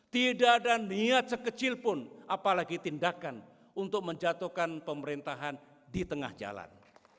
tidak ada niat sekecil pun apalagi tindakan untuk menjatuhkan pemerintahan di tengah jalan